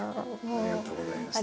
ありがとうございます。